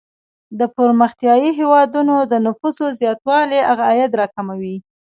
د پرمختیايي هیوادونو د نفوسو زیاتوالی عاید را کموي.